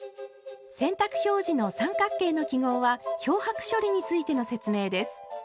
洗濯表示の三角形の記号は漂白処理についての説明です。